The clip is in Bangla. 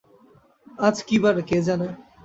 আজ কী বার কে জানে।